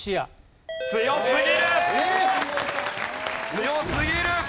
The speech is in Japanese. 強すぎる！